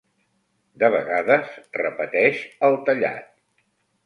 De vegades repeteix el tallat.